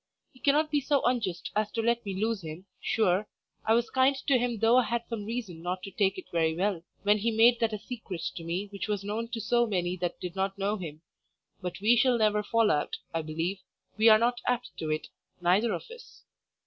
He cannot be so unjust as to let me lose him, sure, I was kind to him though I had some reason not to take it very well when he made that a secret to me which was known to so many that did not know him; but we shall never fall out, I believe, we are not apt to it, neither of us.